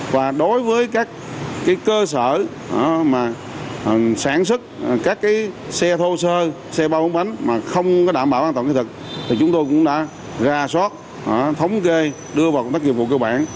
và đối với các cơ sở sản xuất các xe thô sơ xe bao bóng bánh mà không đảm bảo an toàn kỹ thuật thì chúng tôi cũng đã ra soát thống kê đưa vào công tác nghiệp vụ cơ bản